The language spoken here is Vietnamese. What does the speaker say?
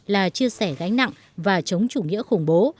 là chia sẻ gánh nặng và chống chủ nghĩa khủng bố